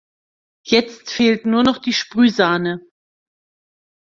Jetzt fehlt nur noch die Sprühsahne.